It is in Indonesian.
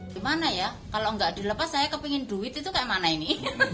gimana ya kalau nggak dilepas saya kepingin duit itu kayak mana ini